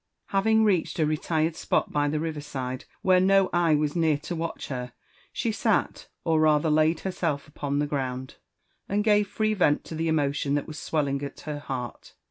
HaYing reached a retired spot by the river side, where no eye was near to watch her, she sat or rather laid herself upon the ground, and gave free vent to the emotion that was swelling at her heart.